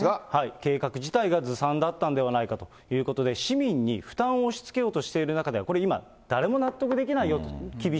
計画自体がずさんだったんではないかということで、市民に負担を押しつけようとしている中では、これ今、誰も納得できないよ